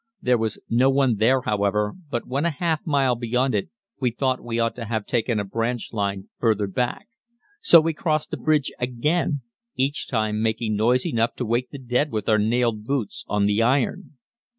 There was no one there, however, but when half a mile beyond it, we thought we ought to have taken a branch line farther back; so we crossed the bridge again, each time making noise enough to wake the dead with our nailed boots on the iron.